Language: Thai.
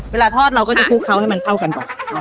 เวลาทอดเราก็จะคลุกเขาให้มันเข้ากันก่อน